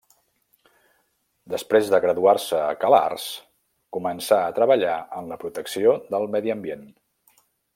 Després de graduar-se a Cal Arts, començà a treballar en la protecció del medi ambient.